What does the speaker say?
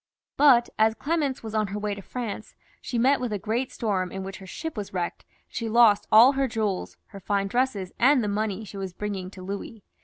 But as Clemence was on her way to France, she met with a great storm, in which her ship was wrecked, and she lost all her jewels, her fine dresses, and the money she was bringing to Louis.